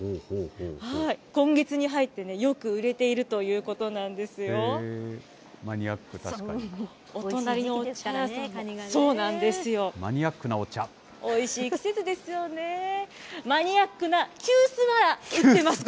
今月に入ってよく売れているといマニアック、そうなんですよ。